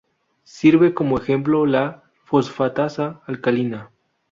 Sirve como ejemplo la fosfatasa alcalina.